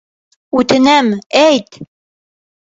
Үтенәм, әйт!